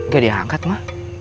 gak diangkat ma